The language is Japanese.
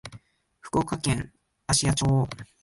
福岡県芦屋町